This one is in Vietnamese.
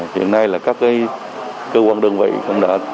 hiện nay là các cơ quan đơn vị cũng đã